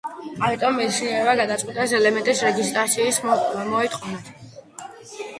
ამიტომ მეცნიერებმა გადაწყვიტეს ელემენტის რეგისტრაციის მოეთხოვათ.